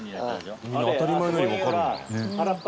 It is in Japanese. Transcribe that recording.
みんな当たり前のようにわかるんだ。